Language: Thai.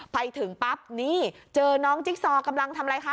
ไปถึงปั๊บนี่เจอน้องจิ๊กซอกำลังทำอะไรคะ